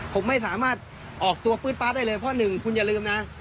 ผมไม่สามารถออกตัวปื๊ดป๊าดได้เลยเพราะหนึ่งคุณอย่าลืมนะ